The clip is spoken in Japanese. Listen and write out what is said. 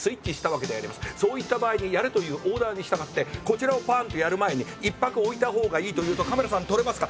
そういった場合にやれというオーダーに従ってこちらをパンってやる前に一拍置いたほうがいいと言うとカメラさん撮れますか？